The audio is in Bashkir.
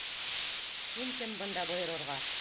Һин кем бында бойорорға?!